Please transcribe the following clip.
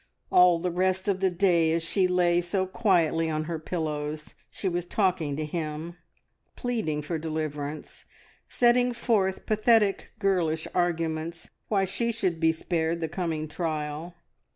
All the rest of the day, as she lay so quietly on her pillows, she was talking to Him, pleading for deliverance, setting forth pathetic girlish arguments why she should be spared the coming trial.